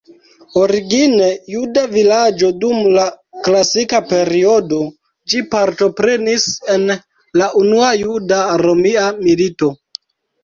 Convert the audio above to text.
Origine juda vilaĝo dum la klasika periodo, ĝi partoprenis en la Unua Juda-Romia Milito.